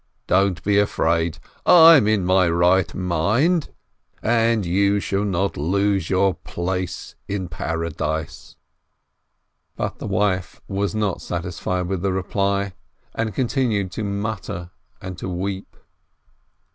Don't be afraid. I'm in my right mind, and you shall not lose your place in Paradise." But the wife was not satisfied with the reply, and continued to mutter and to weep.